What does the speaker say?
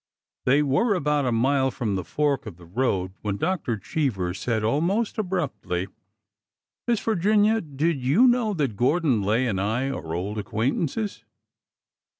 They were about a mile from the fork of the road when Dr. Cheever said almost abruptly :'' Miss Virginia, did you know that Gordon Lay and I are old acquaintances